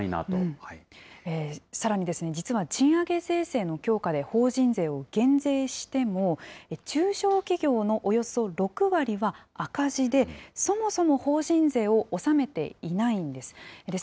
さらに実は賃上げ税制の強化で法人税を減税しても、中小企業のおよそ６割は赤字で、そもそも法人税を納めていないんです。